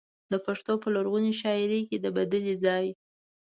د پښتو په لرغونې شاعرۍ کې د بدلې ځای.